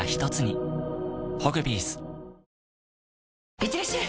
いってらっしゃい！